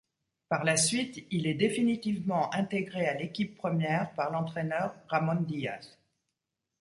Par la suite, il est définitivement intégré à l'équipe première par l'entraîneur Ramón Diaz.